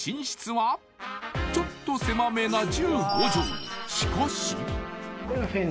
［ちょっと狭めな１５畳］［しかし］